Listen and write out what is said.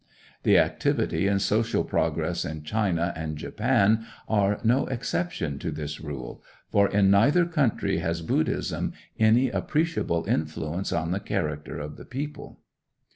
The activity and social progress in China and Japan are no exceptions to this rule; for in neither country has Buddhism any appreciable influence on the character of the people.